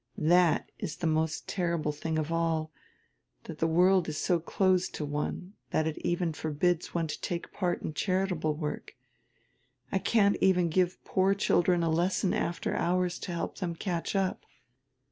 That is the most terrible tiling of all, that the world is so closed to one, that it even forbids one to take a part in charitable work. I can't even give poor children a lesson after hours to help them catch up."